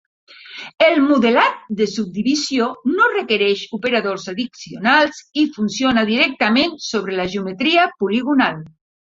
El modelat de subdivisió no requereix operadors addicionals i funciona directament sobre la geometria poligonal.